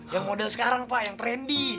yang modal sekarang pak yang trendy